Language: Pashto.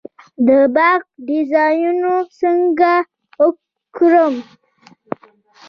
د باغ ډیزاین څنګه وکړم؟